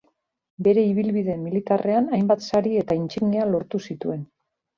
Bere ibilbide militarrean hainbat sari eta intsignia lortu zituen.